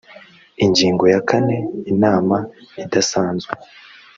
ingingo ya kane inama idasanzwe